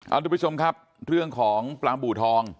ทุกผู้ชมครับเรื่องของปลาบูทอง